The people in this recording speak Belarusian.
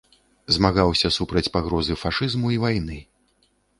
Змагаўся супраць пагрозы фашызму і вайны.